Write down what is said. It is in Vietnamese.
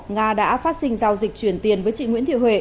nga đã phát sinh giao dịch chuyển tiền với chị nguyễn thị huệ